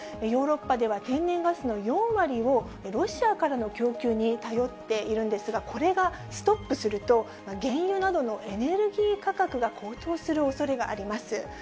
ヨーロッパでは、天然ガスの４割を、ロシアからの供給に頼っているんですが、これがストップすると、原油などのエネルギー価格が高騰するおそれがあります。